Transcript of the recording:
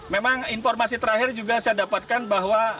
memang informasi terakhir juga saya dapatkan bahwa